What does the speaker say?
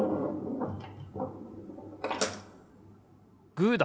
グーだ！